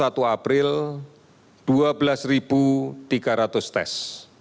dan hari ini akan kita dapatkan lagi lima puluh tes